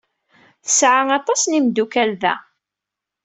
Tesɛa aṭas n yimeddukal da.